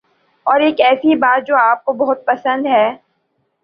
اور ایک ایسی بات جو آپ کو بہت پسند ہے